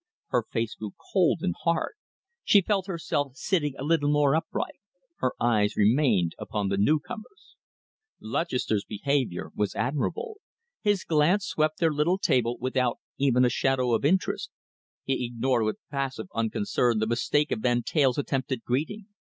Her face grew cold and hard. She felt herself sitting a little more upright. Her eyes remained fixed upon the newcomers. Lutchester's behaviour was admirable. His glance swept their little table without even a shadow of interest. He ignored with passive unconcern the mistake of Van Teyl's attempted greeting.